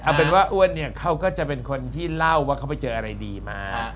เอาเป็นว่าอ้วนเนี่ยเขาก็จะเป็นคนที่เล่าว่าเขาไปเจออะไรดีมา